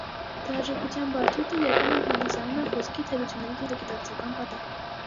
Թերարժեքության բարդույթը երբեմն հանդիսանում է խոսքի թերությունների ենթագիտակցական պատճառ։